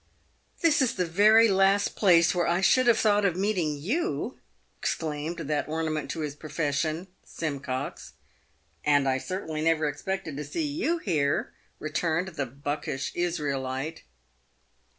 31 "This is the very last place where I should have thought of meeting you !" exclaimed that ornament to his profession, Simcox. " And I certainly never expected to see you here," returned the buckish Israelite.